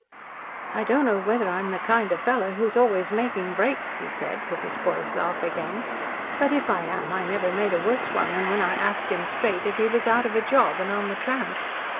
"I don't know whether I'm the kind of fellow who is always making breaks," he said, with his boy's laugh again, "but if I am, I never made a worse one than when I asked him straight if he was out of a job, and on the tramp.